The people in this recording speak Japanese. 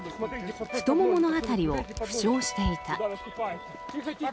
太ももの辺りを負傷していた。